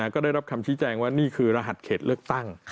ก็ได้รับคำชี้แจงว่านี่คือรหัสเขตเลือกตั้ง